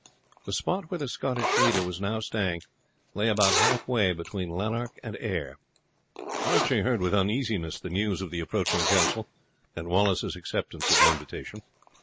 The spot where the Scottish leader was now staying lay about halfway between Lanark and Ayr. Archie heard with uneasiness the news of the approaching council, and Wallace's acceptance of the invitation.